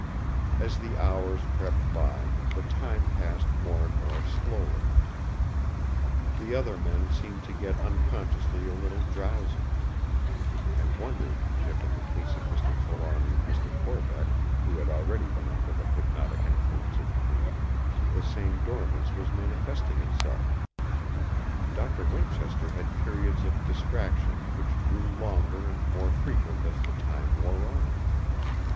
As the hours crept by, the time passed more and more slowly. The other men seemed to get unconsciously a little drowsy. I wondered if in the case of Mr. Trelawny and Mr. Corbeck, who had already been under the hypnotic influence of the Queen, the same dormancy was manifesting itself. Doctor Winchester had periods of distraction which grew longer and more frequent as the time wore on.